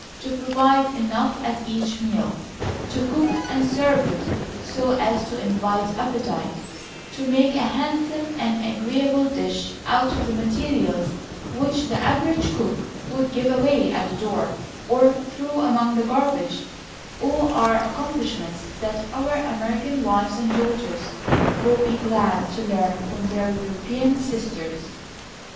To provide enough at each meal; to cook and serve it so as to invite appetite; to make a handsome and agreeable dish out of the materials which the average cook would give away at the door, or throw among the garbage; all are accomplishments that our American wives and daughters will be glad to learn from their European sisters.